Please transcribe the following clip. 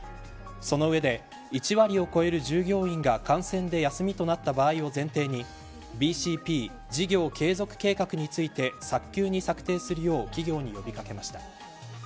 その上で１割を超える従業員が感染で休みとなった場合を前提にＢＣＰ事業継続計画について早急に策定するよう企業に呼び掛けました。